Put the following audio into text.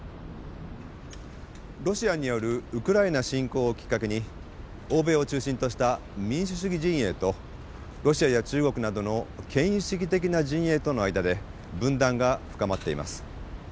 ロシアによるウクライナ侵攻をきっかけに欧米を中心とした民主主義陣営とロシアや中国などの権威主義的な陣営との間で分断が深まっています。